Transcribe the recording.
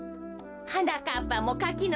はなかっぱもかきのきも